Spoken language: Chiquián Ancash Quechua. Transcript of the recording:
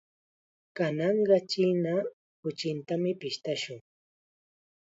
Kananqa china kuchitam pishtashun.